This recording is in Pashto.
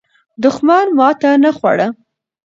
دښمن ماته نه خوړه.